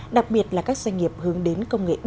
đặc biệt là các doanh nghiệp hướng đến công nghệ bốn